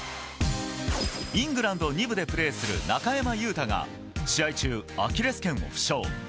イングランド２部でプレーする中山雄太が、試合中、アキレスけんを負傷。